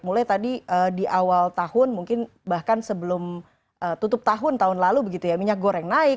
mulai tadi di awal tahun mungkin bahkan sebelum tutup tahun tahun lalu begitu ya minyak goreng naik